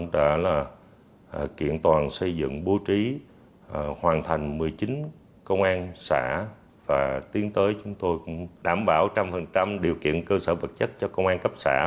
đã kiện toàn xây dựng bố trí hoàn thành một mươi chín công an xã và tiến tới chúng tôi cũng đảm bảo một trăm linh điều kiện cơ sở vật chất cho công an cấp xã